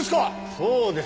そうです。